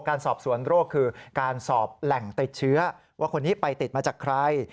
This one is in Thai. การสอบสวนโรคคือการสอบแหล่งติดเชื้อว่าคนนี้ไปติดมาจากใคร